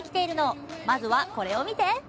まずはこれを見て。